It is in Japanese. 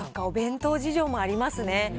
お弁当事情もありますね。